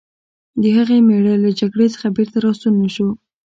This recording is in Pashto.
د هغې مېړه له جګړې څخه بېرته راستون نه شو